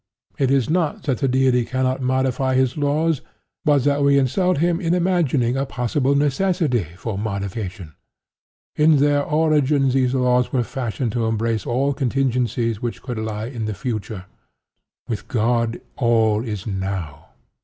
It is not that the Deity cannot modify his laws, but that we insult him in imagining a possible necessity for modification. In their origin these laws were fashioned to embrace all contingencies which could lie in the Future. With God all is Now.